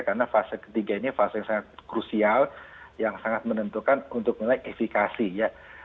karena fase ketiga ini fase yang sangat krusial yang sangat menentukan untuk menaik efikasi ya